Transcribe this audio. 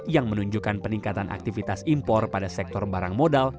yang menunjukkan peningkatan aktivitas impor pada sektor barang modal